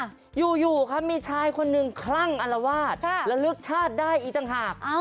อยู่อยู่ครับมีชายคนหนึ่งคลั่งอารวาสระลึกชาติได้อีกต่างหาก